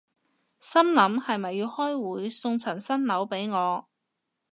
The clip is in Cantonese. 心諗係咪要開會送層新樓畀我